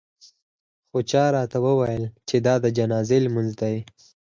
خو چا راته وویل چې دا د جنازې لمونځ دی.